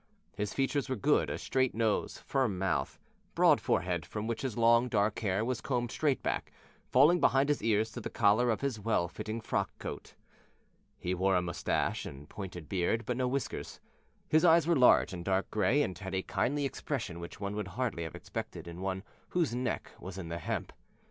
His features were good a straight nose, firm mouth, broad forehead, from which his long, dark hair was combed straight back, falling behind his ears to the collar of his well fitting frock coat. He wore a mustache and pointed beard, but no whiskers; his eyes were large and dark gray, and had a kindly expression which one would hardly have expected in one whose neck was in the hemp.